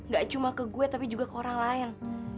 gak cuma ke gue tapi juga ke orang lain